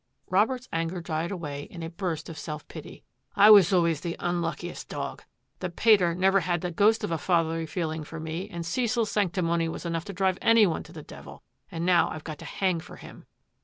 Robert's anger died away in a burst of self pity. " I always was the unluckiest dog. The pater never had the ghost of a fatherly feeling for me and Cecil's sanctimony was enough to drive any one to the devil, and now I've got to hang for him!"